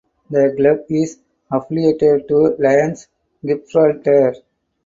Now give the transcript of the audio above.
The club is affiliated to Lions Gibraltar.